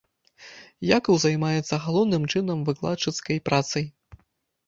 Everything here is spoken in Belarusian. Якаў займаецца галоўным чынам выкладчыцкай працай.